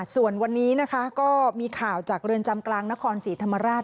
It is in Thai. ส่วนวันนี้นะคะก็มีข่าวจากเรือนจำกลางนครศรีธรรมราช